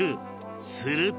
すると